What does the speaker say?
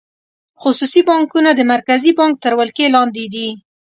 خصوصي بانکونه د مرکزي بانک تر ولکې لاندې دي.